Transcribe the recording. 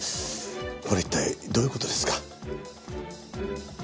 これ一体どういう事ですか？